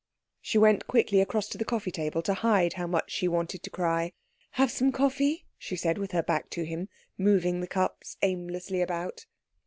She went quickly across to the coffee table to hide how much she wanted to cry. "Have some coffee," she said with her back to him, moving the cups aimlessly about.